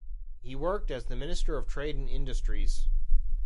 He worked as the Minister of Trade and Industries.